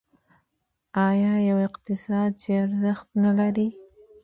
آیا یو اقتصاد چې ارزښت نلري؟